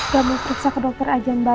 gak mau periksa ke dokter aja mbak